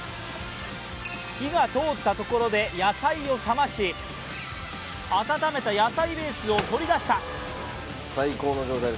火が通ったところで野菜を冷まし、温めた野菜ベースを取り出した。